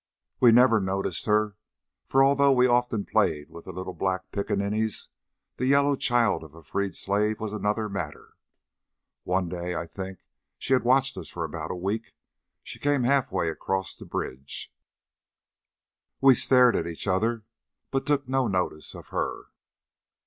We never noticed her, for although we often played with the little black piccaninnies, the yellow child of a freed slave was another matter. One day I think she had watched us for about a week she came half way across the bridge. We stared at each other, but took no notice of her.